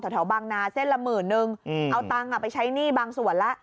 แถวบางนาเส้นละหมื่นนึงเอาตังค์ไปใช้หนี้บางส่วนแล้ว